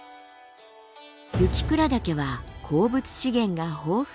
雪倉岳は鉱物資源が豊富。